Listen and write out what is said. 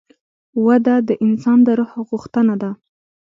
وده د انسان د روح غوښتنه ده.